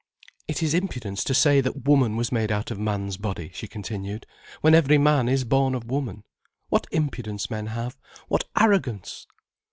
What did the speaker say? "It is impudence to say that Woman was made out of Man's body," she continued, "when every man is born of woman. What impudence men have, what arrogance!"